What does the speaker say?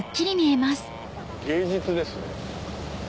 芸術ですね。